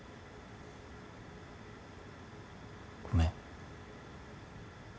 ごめん。